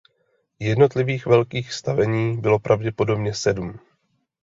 Jednotlivých velkých stavení bylo pravděpodobně sedm.